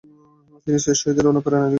তিনি সৈয়দ শহীদের অনুপ্রেরণায় লিখেছেন।